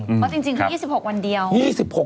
จริงคือ๒๖วันเดียว